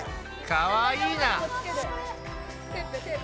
かわいいな！